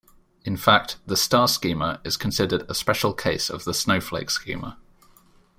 In fact, the star schema is considered a special case of the snowflake schema.